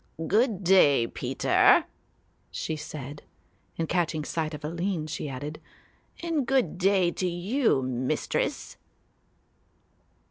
"Good day, Peter," she said, and catching sight of Aline she added, "and good day to you, Mistress."